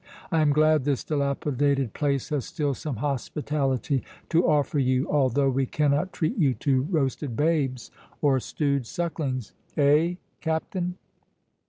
I am glad this dilapidated place has still some hospitality to offer you, although we cannot treat you to roasted babes or stewed sucklings—eh, Captain?"